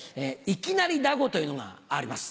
「いきなりだご」というのがあります。